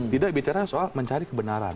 tidak bicara soal mencari kebenaran